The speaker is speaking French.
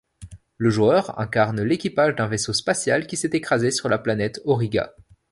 Le joueur incarne l'équipage d'un vaisseau spatial qui s'est écrasé sur la planète Auriga.